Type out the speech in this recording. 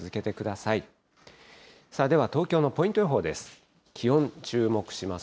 さあ、では東京のポイント予報です。